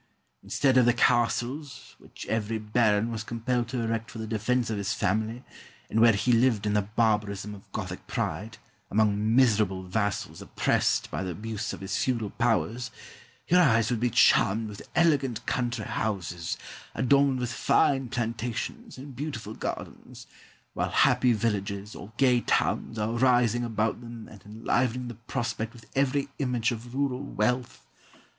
Instead of the castles, which every baron was compelled to erect for the defence of his family, and where he lived in the barbarism of Gothic pride, among miserable vassals oppressed by the abuse of his feudal powers, your eyes would be charmed with elegant country houses, adorned with fine plantations and beautiful gardens, while happy villages or gay towns are rising about them and enlivening the prospect with every image of rural wealth.